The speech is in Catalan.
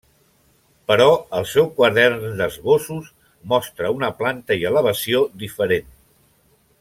Però el seu quadern d'esbossos mostra una planta i elevació diferent.